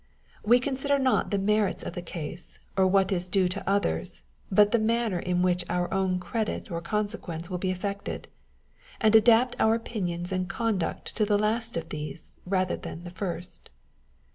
Wo consider not the merits of the case, or what is due to others, but the manner in which our own credit or consequence will be affected ; and adapt our opinions and conduct to the last of these rather than to the first.